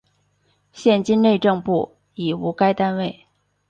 现今内政部已无该单位。